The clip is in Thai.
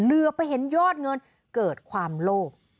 เหลือไปเห็นยอดเงินเกิดความโลภ